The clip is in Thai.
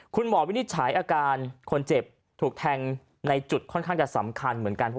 วินิจฉัยอาการคนเจ็บถูกแทงในจุดค่อนข้างจะสำคัญเหมือนกัน